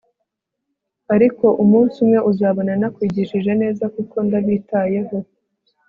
Ariko umunsi umwe uzabona nakwigishije neza kuko ndabitayeho